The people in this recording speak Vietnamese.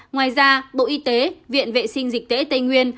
ngoài ra bộ y tế viện vệ sinh dịch tễ tây nguyên